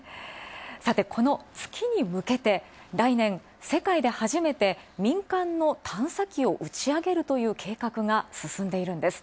さてこの月に向けて来年世界ではじめて民間の探査機を打ち上げるという計画が進んでいるんです。